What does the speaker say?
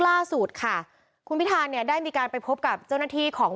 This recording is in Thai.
ล่าสุดค่ะคุณพิธาเนี่ยได้มีการไปพบกับเจ้าหน้าที่ของ